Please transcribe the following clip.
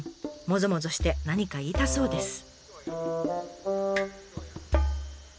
もぞもぞして何か言いたそうです。